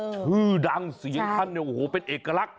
ชื่อดังเสียงท่านโอ้โฮเป็นเอกลักษณ์